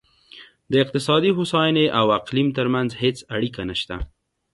د اقتصادي هوساینې او اقلیم ترمنځ هېڅ اړیکه نشته.